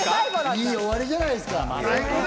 いい終わりじゃないですか。